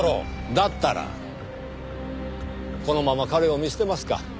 だったらこのまま彼を見捨てますか？